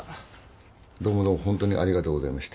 どうもどうもホントにありがとうございました。